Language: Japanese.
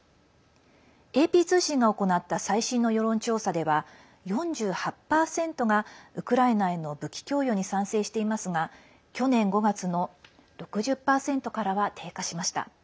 ＡＰ通信が行った最新の世論調査では４８％が、ウクライナへの武器供与に賛成していますが去年５月の６０％からは低下しました。